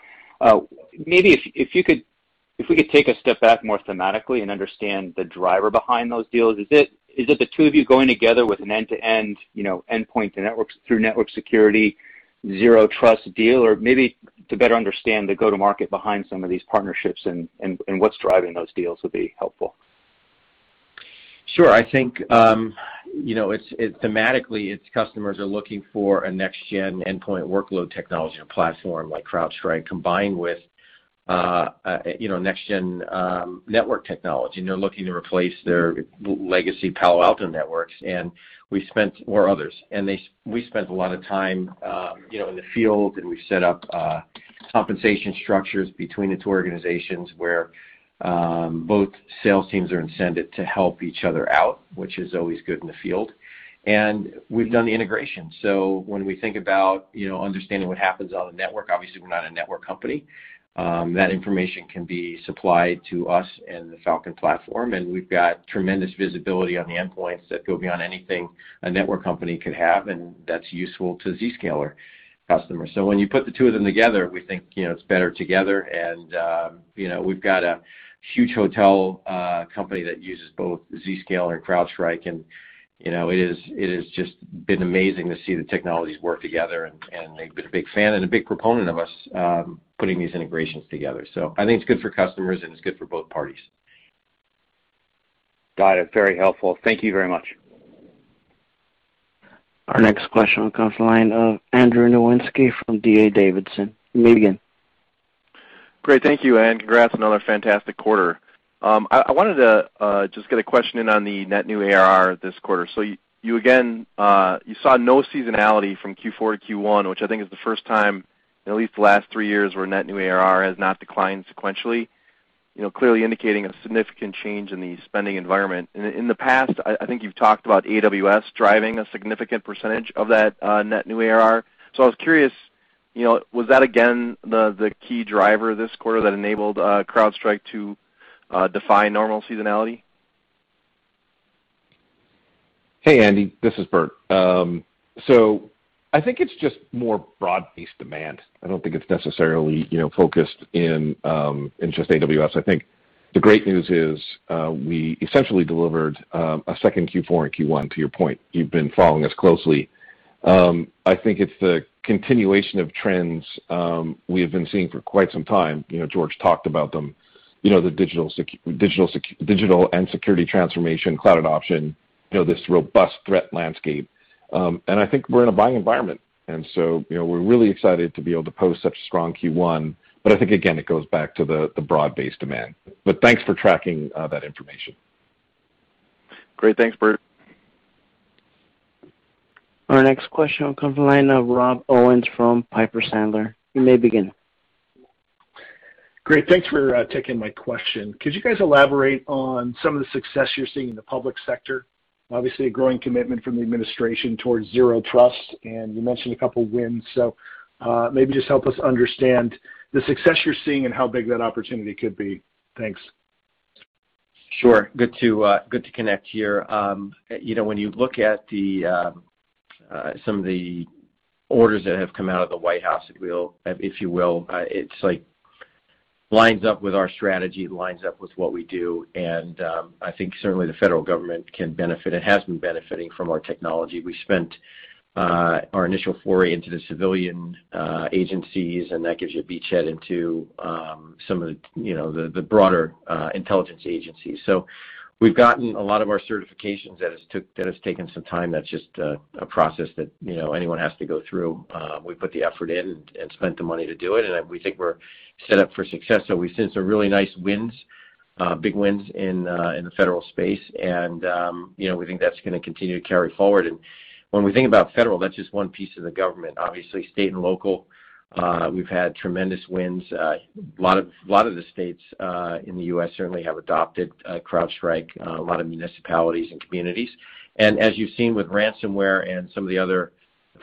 Maybe if we could take a step back more thematically. Understand the driver behind those deals. Is it the two of you going together with an end-to-end endpoint through network security, Zero Trust deal? Maybe to better understand the go-to-market behind some of these partnerships. What's driving those deals would be helpful. Sure. I think, thematically, its customers are looking for a next gen endpoint workload technology and a platform like CrowdStrike combined with next gen network technology, and they're looking to replace their legacy Palo Alto Networks or others. We spent a lot of time in the field, and we set up compensation structures between the two organizations where both sales teams are incented to help each other out, which is always good in the field. We've done the integration. When we think about understanding what happens on the network, obviously we're not a network company. That information can be supplied to us and the Falcon platform, and we've got tremendous visibility on the endpoints that go beyond anything a network company could have, and that's useful to Zscaler customers. When you put the two of them together, we think it's better together. We've got a huge hotel company that uses both Zscaler and CrowdStrike. It has just been amazing to see the technologies work together. They've been a big fan and a big proponent of us putting these integrations together. I think it's good for customers, and it's good for both parties. Got it. Very helpful. Thank you very much. Our next question comes from the line of Andrew Nowinski from D.A. Davidson. You may begin. Great. Thank you, congrats on another fantastic quarter. I wanted to just get a question in on the net new ARR this quarter. You again saw no seasonality from Q4 to Q1, which I think is the first time in at least the last three years where net new ARR has not declined sequentially, clearly indicating a significant change in the spending environment. In the past, I think you've talked about AWS driving a significant percentage of that net new ARR. I was curious, was that again the key driver this quarter that enabled CrowdStrike to defy normal seasonality? Hey, Andrew. This is Burt. I think it's just more broad-based demand. I don't think it's necessarily focused in just AWS. I think the great news is we essentially delivered a second Q4 and Q1. To your point, you've been following us closely. I think it's the continuation of trends we have been seeing for quite some time. George talked about them, the digital and security transformation, cloud adoption, this robust threat landscape. I think we're in a buying environment, and so we're really excited to be able to post such a strong Q1. I think, again, it goes back to the broad-based demand. Thanks for tracking that information. Great. Thanks, Burt. Our next question will come from the line of Rob Owens from Piper Sandler. You may begin. Great. Thanks for taking my question. Could you guys elaborate on some of the success you're seeing in the public sector? Obviously, a growing commitment from the administration towards Zero Trust, and you mentioned a couple wins. Maybe just help us understand the success you're seeing and how big that opportunity could be. Thanks. Sure. Good to connect here. When you look at some of the orders that have come out of the White House, if you will, it lines up with our strategy. It lines up with what we do, and I think certainly the federal government can benefit and has been benefiting from our technology. We spent our initial foray into the civilian agencies, and that gives you a beachhead into some of the broader intelligence agencies. We've gotten a lot of our certifications. That has taken some time. That's just a process that anyone has to go through. We put the effort in and spent the money to do it, and we think we're set up for success. We've seen some really nice wins, big wins in the federal space. We think that's going to continue to carry forward. When we think about federal, that's just one piece of the government. Obviously, state and local we've had tremendous wins. A lot of the states in the U.S. certainly have adopted CrowdStrike, a lot of municipalities and communities. As you've seen with ransomware and some of the other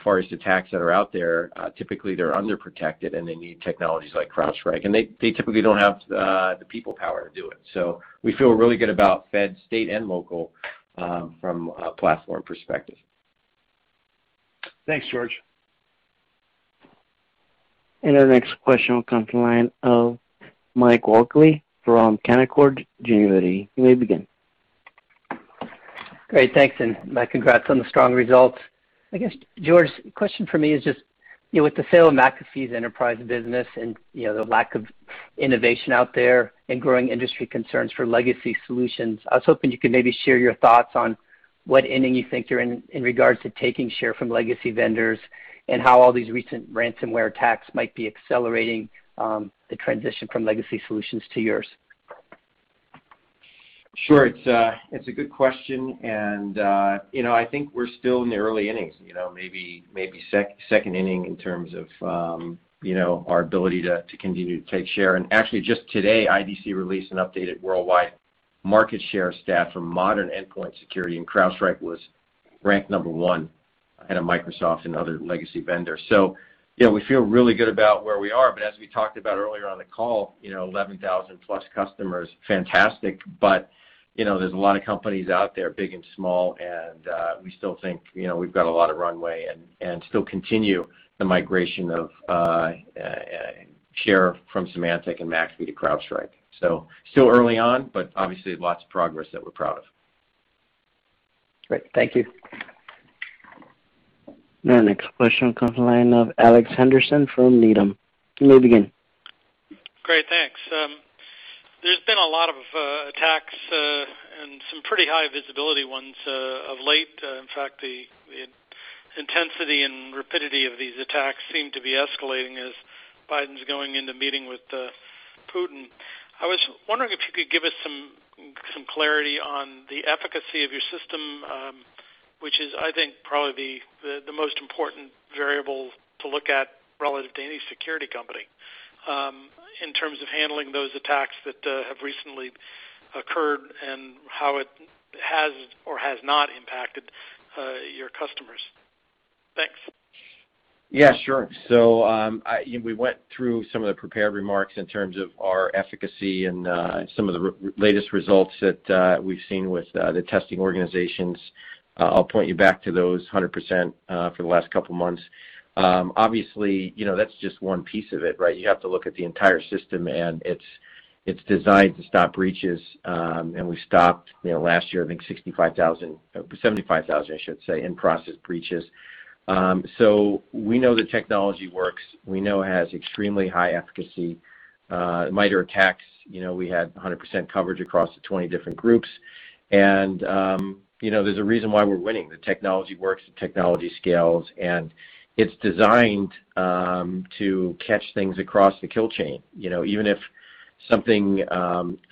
these attacks that are out there, typically they're underprotected, and they need technologies like CrowdStrike, and they typically don't have the people power to do it. We feel really good about fed, state, and local from a platform perspective. Thanks, George. Our next question will come from the line of Mike Walkley from Canaccord Genuity. Great. Thanks. My congrats on the strong results. I guess, George, the question for me is just, with the sale of McAfee's enterprise business and the lack of innovation out there and growing industry concerns for legacy solutions, I was hoping you could maybe share your thoughts on what inning you think you're in regarding taking share from legacy vendors and how all these recent ransomware attacks might be accelerating the transition from legacy solutions to yours. Sure. It's a good question, and I think we're still in the early innings, maybe second inning in terms of our ability to continue to take share. Actually, just today, IDC released an updated worldwide market share stat for modern endpoint security, and CrowdStrike was ranked number one ahead of Microsoft and other legacy vendors. Yeah, we feel really good about where we are. As we talked about earlier on the call, 11,000+ customers, fantastic, but there's a lot of companies out there, big and small, and we still think we've got a lot of runway and still continue the migration of share from Symantec and McAfee to CrowdStrike. Still early on, but obviously lots of progress that we're proud of. Great. Thank you. Our next question will come from the line of Alex Henderson from Needham. You may begin. Great, thanks. There's been a lot of attacks, and some pretty high visibility ones of late. In fact, the intensity and rapidity of these attacks seem to be escalating as Biden's going into meeting with Putin. I was wondering if you could give us some clarity on the efficacy of your system, which is, I think, probably the most important variable to look at from any security company in terms of handling those attacks that have recently occurred and how it has or has not impacted your customers. Thanks. Yeah, sure. We went through some of the prepared remarks in terms of our efficacy and some of the latest results that we've seen with the testing organizations. I'll point you back to those 100% for the last couple of months. Obviously, that's just one piece of it, right? You have to look at the entire system, and it's designed to stop breaches. We stopped, last year, I think 65,000, 75,000, I should say, in-process breaches. We know the technology works. We know it has extremely high efficacy. MITRE ATT&CKs, we had 100% coverage across the 20 different groups. There's a reason why we're winning. The technology works, the technology scales, and it's designed to catch things across the kill chain. Even if something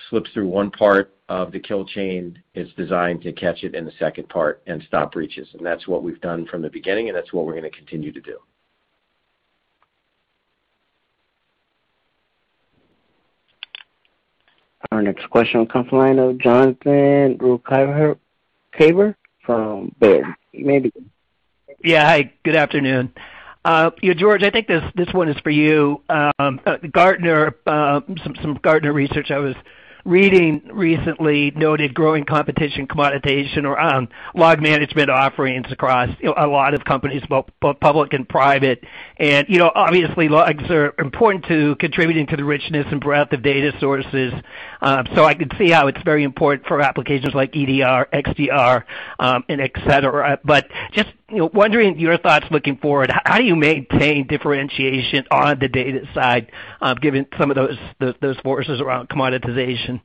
slips through one part of the kill chain, it's designed to catch it in the second part and stop breaches. That's what we've done from the beginning, and that's what we're going to continue to do. Our next question will come from the line of Jonathan Ruykhaver from Baird. You may begin. Yeah. Hi, good afternoon. George, I think this one is for you. Some Gartner research I was reading recently noted growing competition, commoditization around log management offerings across a lot of companies, both public and private. Obviously, logs are important to contributing to the richness and breadth of data sources. I can see how it's very important for applications like EDR, XDR, et cetera. Just wondering your thoughts looking forward, how do you maintain differentiation on the data side given some of those forces around commoditization?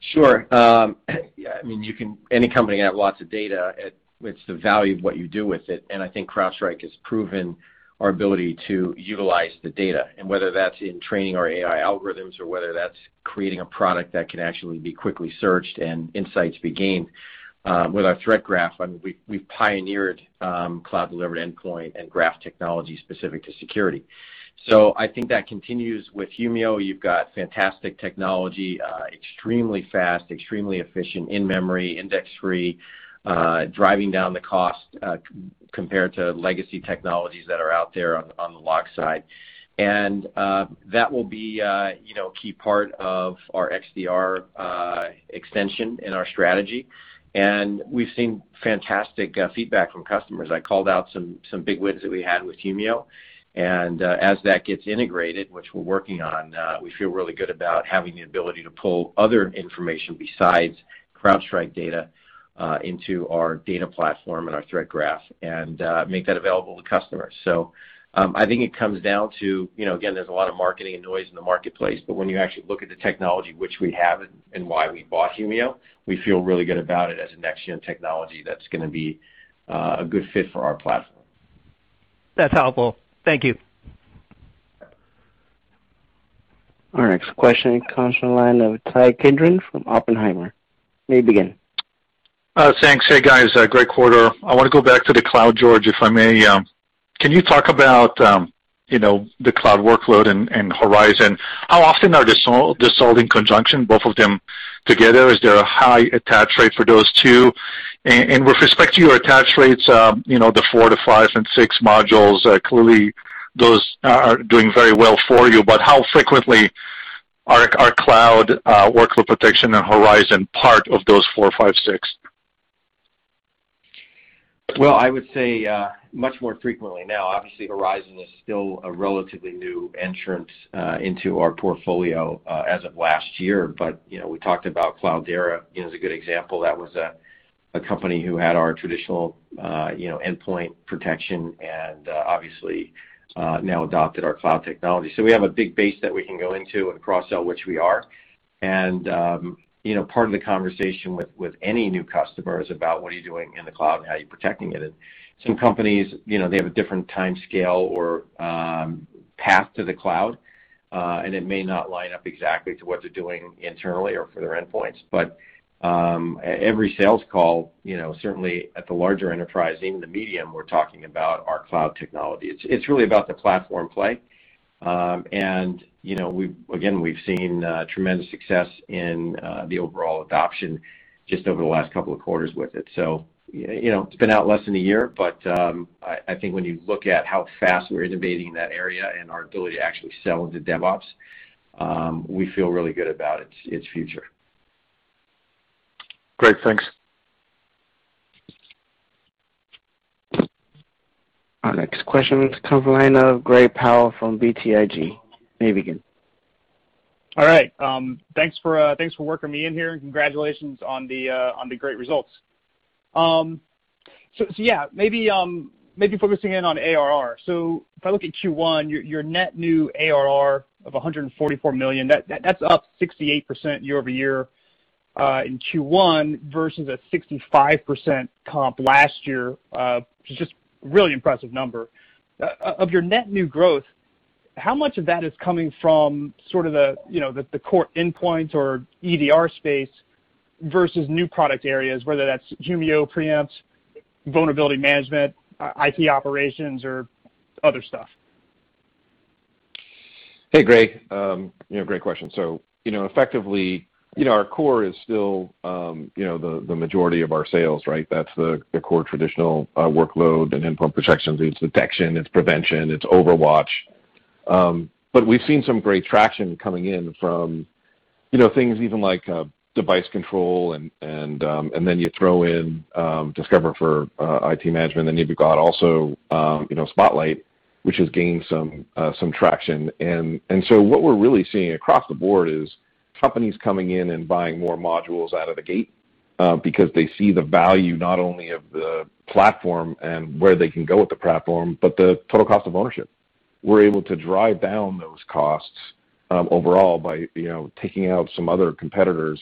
Sure. Any company can have lots of data. It's the value of what you do with it, and I think CrowdStrike has proven our ability to utilize the data, and whether that's in training our AI algorithms or whether that's creating a product that can actually be quickly searched and insights be gained. With our Threat Graph, we pioneered cloud-delivered endpoint and graph technology specific to security. I think that continues with Humio. You've got fantastic technology, extremely fast, extremely efficient, in-memory, index-free, driving down the cost compared to legacy technologies that are out there on the log side. That will be a key part of our XDR extension and our strategy. We've seen fantastic feedback from customers. I called out some big wins that we had with Humio. As that gets integrated, which we're working on, we feel really good about having the ability to pull other information besides CrowdStrike data into our data platform and our Threat Graph and make that available to customers. I think it comes down to, again, there's a lot of marketing noise in the marketplace, but when you actually look at the technology which we have and why we bought Humio, we feel really good about it as a next-gen technology that's going to be a good fit for our platform. That's helpful. Thank you. Our next question comes from the line of Ittai Kidron from Oppenheimer. You may begin. Thanks. Hey, guys. Great quarter. I want to go back to the cloud, George, if I may. Can you talk about the cloud workload and Horizon? How often are they sold in conjunction, both of them together? Is there a high attach rate for those two? With respect to your attach rates, the four to five and six modules, clearly those are doing very well for you, but how frequently are Cloud Workload Protection and Horizon part of those four, five, six? Well, I would say much more frequently now. Obviously, Horizon is still a relatively new entrant into our portfolio as of last year. We talked about Cloudera as a good example. That was a company who had our traditional endpoint protection and obviously now adopted our cloud technology. We have a big base that we can go into and cross-sell, which we are. Part of the conversation with any new customer is about what are you doing in the cloud and how are you protecting it. Some companies, they have a different timescale or path to the cloud, and it may not line up exactly to what they're doing internally or for their endpoints. Every sales call, certainly at the larger enterprise, even the medium, we're talking about our cloud technology. It's really about the platform play. Again, we've seen tremendous success in the overall adoption just over the last couple of quarters with it. It's been out less than a year, but I think when you look at how fast we're innovating in that area and our ability to actually sell into DevOps, we feel really good about its future. Great. Thanks. Our next question comes from the line of Gray Powell from BTIG. You may begin. All right. Thanks for working me in here, and congratulations on the great results. Yeah, maybe focusing in on ARR. If I look at Q1, your net new ARR of $144 million, that's up 68% year-over-year in Q1 versus a 65% comp last year, which is just a really impressive number. Of your net new growth, how much of that is coming from sort of the core endpoint or EDR space versus new product areas, whether that's Humio, Preempt, vulnerability management, IT operations, or other stuff? Hey, Gray. Great question. Effectively, our core is still the majority of our sales, right? That's the core traditional workload and endpoint protections. It's detection, it's prevention, it's OverWatch. We've seen some great traction coming in from things even like device control and then you throw in Discover for IT management, then you've got also Spotlight, which has gained some traction. What we're really seeing across the board is companies coming in and buying more modules out of the gate because they see the value not only of the platform and where they can go with the platform, but the total cost of ownership. We're able to drive down those costs overall by taking out some other competitors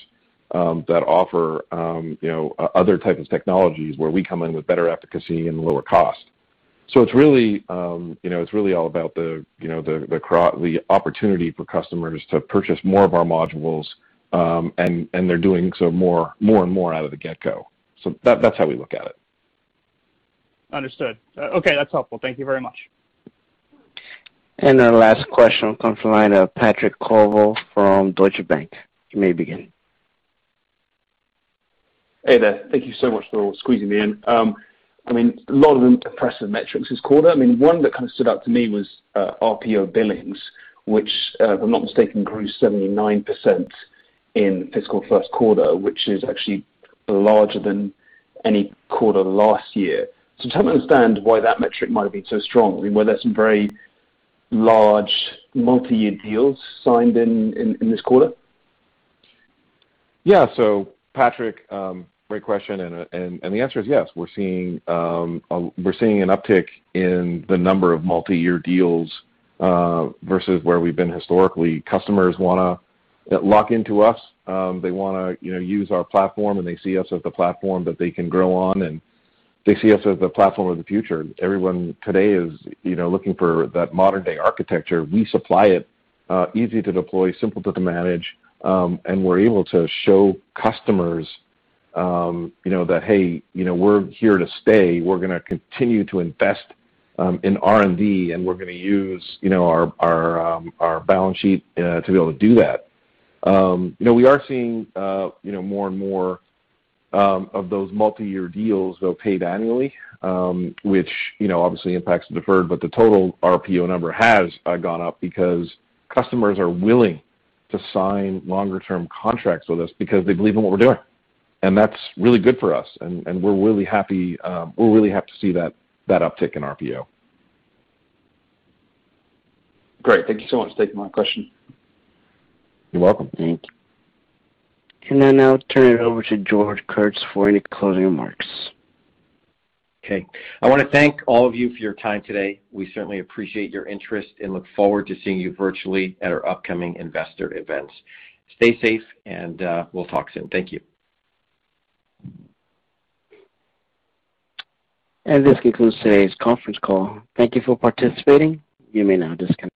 that offer other types of technologies where we come in with better efficacy and lower cost. It's really all about the opportunity for customers to purchase more of our modules, and they're doing so more and more out of the get go. That's how we look at it. Understood. Okay, that's helpful. Thank you very much. Our last question comes from the line of Patrick Colville from Deutsche Bank. You may begin. Hey there. Thank you so much for squeezing me in. A lot of impressive metrics this quarter. One that kind of stood out to me was RPO billings, which, if I'm not mistaken, grew 79% in fiscal first quarter, which is actually larger than any quarter last year. Trying to understand why that metric might have been so strong. Were there some very large multi-year deals signed in this quarter? Yeah. Patrick, great question, and the answer is yes. We're seeing an uptick in the number of multi-year deals versus where we've been historically. Customers want to lock into us. They want to use our platform, and they see us as the platform that they can grow on, and they see us as the platform of the future. Everyone today is looking for that modern-day architecture. We supply it, easy to deploy, simple to manage, and we're able to show customers that "Hey, we're here to stay." We're going to continue to invest in R&D, and we're going to use our balance sheet to be able to do that. We are seeing more and more of those multi-year deals, though, paid annually which obviously impacts the deferred, but the total RPO number has gone up because customers are willing to sign longer-term contracts with us because they believe in what we're doing. That's really good for us, and we're really happy to see that uptick in RPO. Great. Thank you so much for taking my question. You're welcome. Thank you. I now turn it over to George Kurtz for any closing remarks. I want to thank all of you for your time today. We certainly appreciate your interest and look forward to seeing you virtually at our upcoming investor events. Stay safe, and we'll talk soon. Thank you. This concludes today's conference call. Thank you for participating. You may now disconnect.